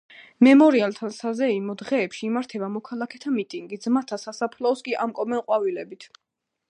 მემორიალთან საზეიმო დღეებში იმართება მოქალაქეთა მიტინგი, ძმათა სასაფლაოს კი ამკობენ ყვავილებით.